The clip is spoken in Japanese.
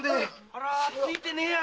あついてねえや。